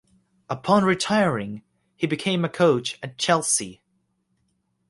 Upon retiring he became a coach at Chelsea.